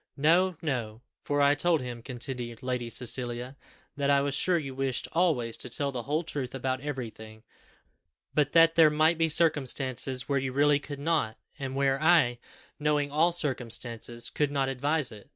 "No, no; for I told him," continued Lady Cecilia, "that I was sure you wished always to tell the whole truth about everything, but that there might be circumstances where you really could not; and where I, knowing all the circumstances, could not advise it.